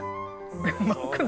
うまくない。